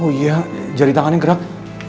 oh iya jari tangannya gerak